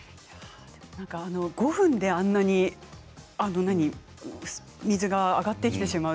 ５分であんなに水が上がってしまう。